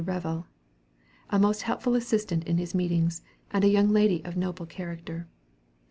Revell, a most helpful assistant in his meetings, and a young lady of noble character.